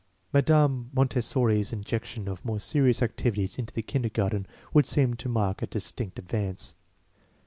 Madame Montessori's injection of more serious activities into the kinder garten would seem to mark a distinct advance.